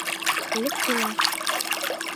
Лектына!